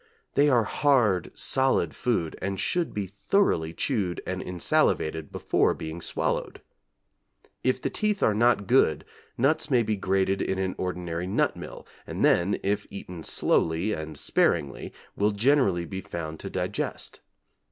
They are hard, solid food, and should be thoroughly chewed and insalivated before being swallowed. If the teeth are not good, nuts may be grated in an ordinary nut mill, and then, if eaten slowly and sparingly, will generally be found to digest.